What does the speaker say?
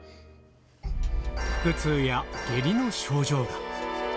腹痛や下痢の症状が。